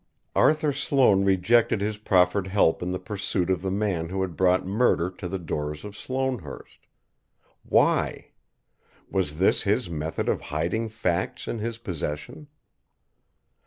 Arthur Sloane rejected his proffered help in the pursuit of the man who had brought murder to the doors of Sloanehurst. Why? Was this his method of hiding facts in his possession?